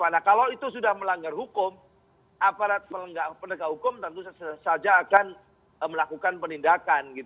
nah kalau itu sudah melanggar hukum aparat penegak hukum tentu saja akan melakukan penindakan